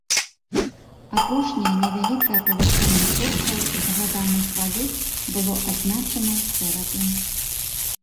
Апошняе невялікае павышэнне курсаў згаданых валют было адзначана ў сераду.